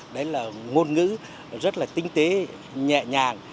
đấy là ngôn ngữ rất là tinh tế nhẹ nhàng